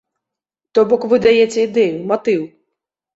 То бок вы даяце ідэю, матыў.